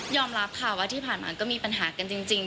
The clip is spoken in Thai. รับค่ะว่าที่ผ่านมาก็มีปัญหากันจริง